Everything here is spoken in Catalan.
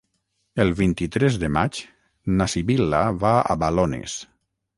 El vint-i-tres de maig na Sibil·la va a Balones.